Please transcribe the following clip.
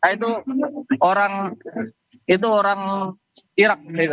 nah itu orang itu orang iraq